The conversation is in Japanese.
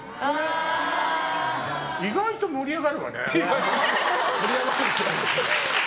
意外と盛り上がるわね。